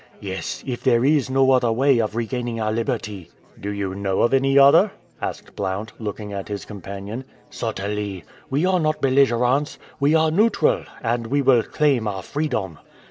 "Yes, if there is no other way of regaining our liberty." "Do you know of any other?" asked Blount, looking at his companion. "Certainly. We are not belligerents; we are neutral, and we will claim our freedom."